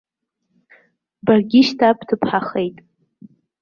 Баргьы шьҭа бҭыԥҳахеит.